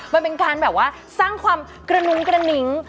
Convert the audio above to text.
มันเป็นการแบบว่าสร้างความกระหนุ้งกระหนิง